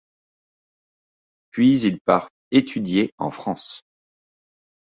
Puis il part étudier en France.